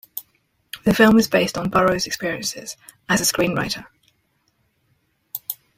The film is based on Burrows' experiences as a screen writer.